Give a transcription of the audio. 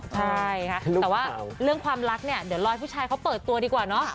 ใช่ค่ะแต่ว่าเรื่องความรักเนี่ยเดี๋ยวรอให้ผู้ชายเขาเปิดตัวดีกว่าเนอะ